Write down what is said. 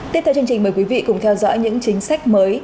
tiếp theo chương trình mời quý vị cùng theo dõi những chính sách mới